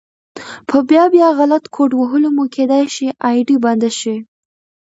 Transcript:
په بيا بيا غلط کوډ وهلو مو کيدی شي آئيډي بنده شي